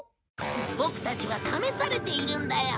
ボクたちは試されているんだよ。